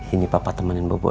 ini papa temenin bobo ya